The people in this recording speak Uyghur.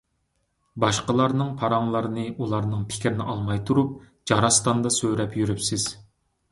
باشقىلارنىڭ پاراڭلىرىنى ئۇلارنىڭ پىكىرىنى ئالماي تۇرۇپ جاراستاندا سۆرەپ يۈرۈپسىز.